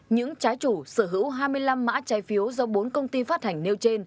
những trái chủ sở hữu hai mươi năm mã trái phiếu do bốn công ty phát hành nêu trên